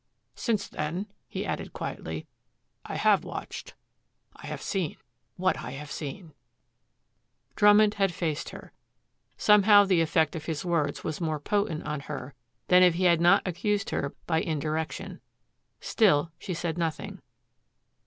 "Since then," he added quietly, "I have watched, I have seen what I have seen." Drummond had faced her. Somehow the effect of his words was more potent on her than if he had not accused her by indirection. Still she said nothing.